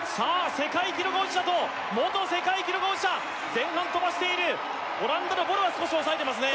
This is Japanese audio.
世界記録保持者と元世界記録保持者前半飛ばしているオランダのボルは少し抑えてますね